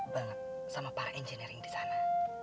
banget sama para engineering di sana